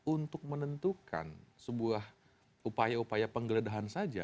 untuk menentukan sebuah upaya upaya penggeledahan saja